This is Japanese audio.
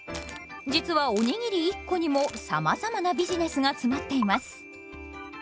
実はおにぎり１個にもさまざまなビジネスが詰まっています。